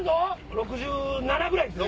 ６７ぐらいですね。